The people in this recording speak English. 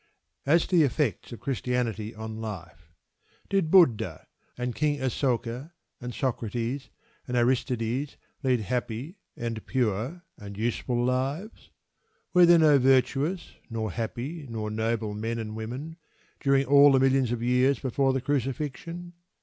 As to the effects of Christianity on life. Did Buddha, and King Asoka, and Socrates, and Aristides lead happy, and pure, and useful lives? Were there no virtuous, nor happy, nor noble men and women during all the millions of years before the Crucifixion?